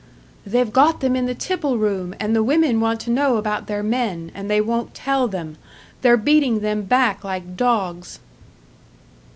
"They've got them in the tipple room, and the women want to know about their men, and they won't tell them. They're beatin' them back like dogs!"